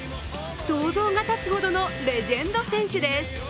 銅像がたつほどのレジェンド選手です。